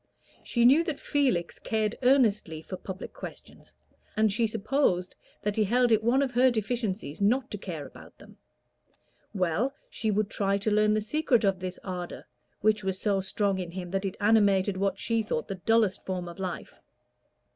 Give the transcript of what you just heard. She knew that Felix cared earnestly for public questions, and she supposed that he held it one of her deficiencies not to care about them: well, she would try to learn the secret of this ardor, which was so strong in him that it animated what she thought the dullest form of life.